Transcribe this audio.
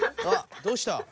あどうした？